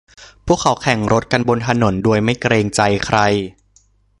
พวกเขาแข่งรถกันบนถนนโดยไม่เกรงใจใคร